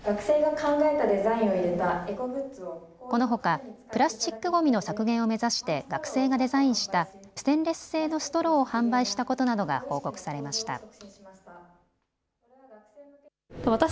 このほかプラスチックごみの削減を目指して学生がデザインしたステンレス製のストローを販売したことなどが報告されました。